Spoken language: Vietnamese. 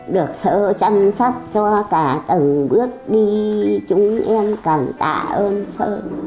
được sơ chăm sóc cho cả tầng bước đi chúng em cảm cảm ơn sơ